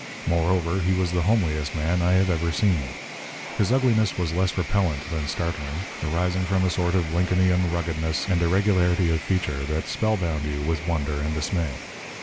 Moreover, he was the homeliest man I have ever seen. His ugliness was less repellent than startling arising from a sort of Lincolnian ruggedness and irregularity of feature that spellbound you with wonder and dismay.